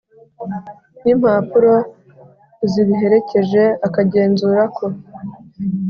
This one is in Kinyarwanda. N impapuro zibiherekeje akagenzura ko